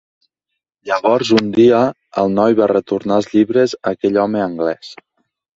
Llavors, un dia, el noi va retornar els llibres a aquell home anglès.